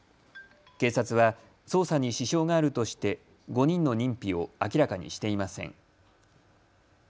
警察は捜査に支障があるとして５人の認否を明らかにしていません。